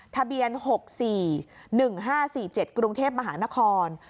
ทะเบียน๖๔๑๕๔๗กรุงเทพมหานคร